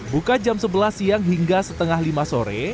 buka jam sebelas siang hingga setengah lima sore